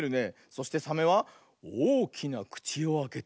そしてサメはおおきなくちをあけておよぐ。